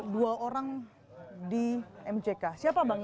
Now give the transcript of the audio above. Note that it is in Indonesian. dua orang di mck siapa bang dua orang